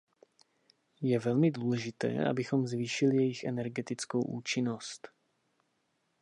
Je velmi důležité, abychom zvýšili jejich energetickou účinnost.